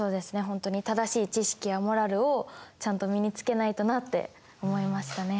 本当に正しい知識やモラルをちゃんと身につけないとなって思いましたね。